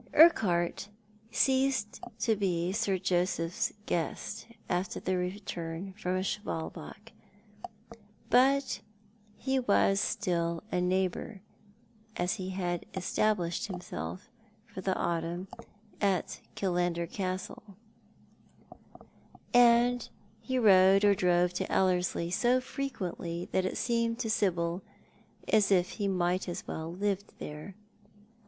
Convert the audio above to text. Urquhart ceased to be Sir Joseph's guest after the return from Schwalbach, but he was still a neigiibour, as he had established himself for the autumn at Killander Castle, and 174 ThoiL art the Man. he rode or drove over to Ellerslie so frequently that it seemed to Sibyl as if he might as well have lived there.